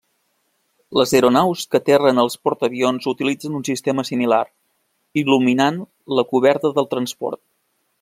Les aeronaus que aterren als portaavions utilitzen un sistema similar, il·luminant la coberta del transport.